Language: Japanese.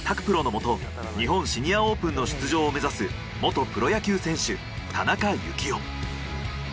プロのもと日本シニアオープンの出場を目指す元プロ野球選手田中幸雄。